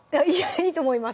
いいと思います